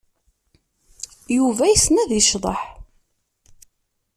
Yuba yessen ad yecḍeḥ.